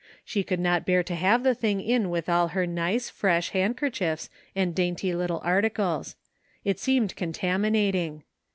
She could not bear to have the thing in with all her nice fresh handkerchiefs and dainty little articles. It seemed contaminating.